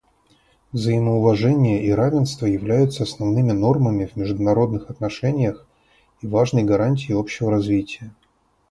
Взаимоуважение и равенство являются основными нормами в международных отношениях и важной гарантией общего развития.